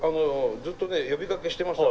ずっとね呼びかけしてました。